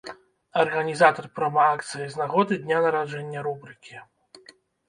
Арганізатар прома-акцыі з нагоды дня нараджэння рубрыкі.